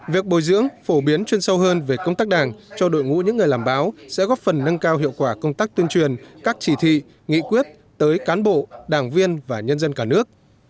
việc bồi dưỡng phổ biến chuyên sâu hơn về công tác đảng cho đội ngũ những người làm báo sẽ góp phần nâng cao hiệu quả công tác tuyên truyền các chỉ thị nghị quyết tới cán bộ đảng viên và nhân dân cả nước